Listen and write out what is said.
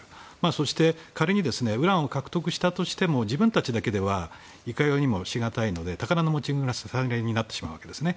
そして、仮にウランを獲得したとしても自分たちだけではいかようにもしがたいので宝の持ち腐れになってしまうわけですね。